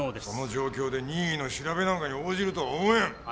この状況で任意の調べなんかに応じると思えん！